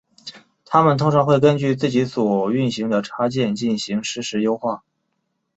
它们通常会根据自己所运行的插件进行实时优化。